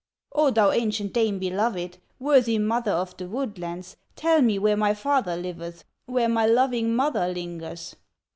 "O, thou ancient dame beloved, Worthy mother of the woodlands, Tell me where my father liveth, Where my loving mother lingers!"